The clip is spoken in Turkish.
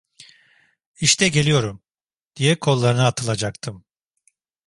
İşte geliyorum, diye kollarına atılacaktım.